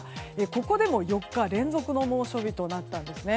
ここでも４日連続の猛暑日となったんですね。